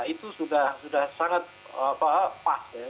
itu sudah sangat pas ya